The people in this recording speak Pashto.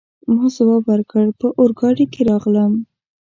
ما ځواب ورکړ: په اورګاډي کي راغلم.